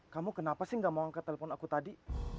kamu kenapa sih gak mau angkat telepon aku tadi